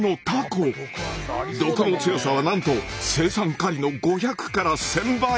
毒の強さはなんと青酸カリの５００から１，０００倍！